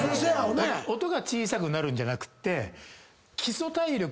音が小さくなるんじゃなくて。